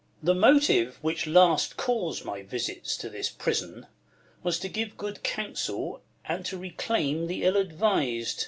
Duke. The motive, Avhich last caus'd my visits To this prison, was to give good counsel and to Reclaim the ill advis d.